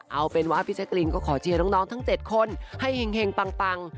เอาเป็นว่าพี่แจ๊กรีนก็ขอเชียร์น้องทั้ง๗คนให้เห็งปัง